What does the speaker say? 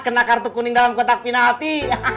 kena kartu kuning dalam kotak penalti